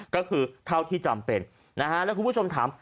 ก็คือเท่าที่จำเป็นนะฮะแล้วคุณผู้ชมถาม